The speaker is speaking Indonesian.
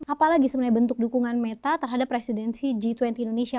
apalagi sebenarnya bentuk dukungan meta terhadap presidensi g dua puluh indonesia